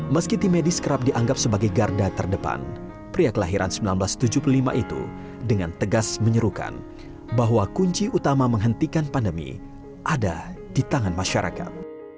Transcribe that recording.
meski tim medis kerap dianggap sebagai garda terdepan pria kelahiran seribu sembilan ratus tujuh puluh lima itu dengan tegas menyerukan bahwa kunci utama menghentikan pandemi ada di tangan masyarakat